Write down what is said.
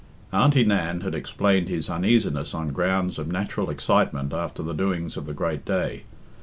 Auntie Nan had explained his uneasiness on grounds of natural excitement after the doings of the great day.